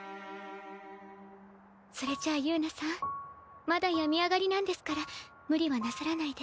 それじゃあ友奈さんまだ病み上がりなんですから無理はなさらないで。